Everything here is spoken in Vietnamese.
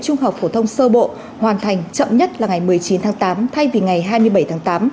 trung học phổ thông sơ bộ hoàn thành chậm nhất là ngày một mươi chín tháng tám thay vì ngày hai mươi bảy tháng tám